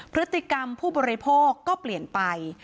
พฤติกรรมผู้บริโภคก็เปลี่ยนไป